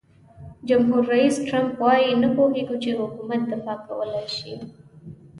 جمهور رئیس ټرمپ وایي نه پوهیږي چې حکومت دفاع کولای شي.